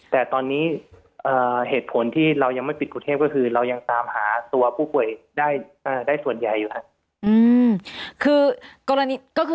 แต่ตอนนี้เหตุผลที่เรายังไม่ปิดกรุงเทพก็คือเรายังตามหาตัวผู้ป่วยได้ส่วนใหญ่อยู่ครับ